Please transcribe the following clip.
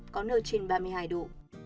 có nơi trên ba mươi hai độ